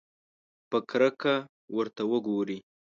په کرکه ورته وګوري.